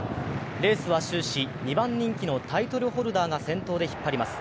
レースは終始、２番人気のタイトルホルダーが先頭で引っ張ります。